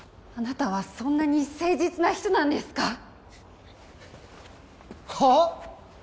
あなたはそんなに誠実な人なんですか？